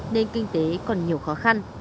nên kinh tế còn nhiều khó khăn